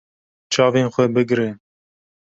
Çavên xwe bigire.